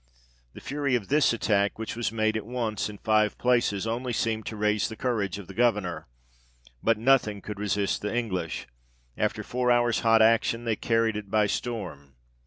The fury of this attack, which was made at once in five places, only seemed to raise the courage of the governour ; but nothing could resist the English : after four hours hot action, they carried it by storm.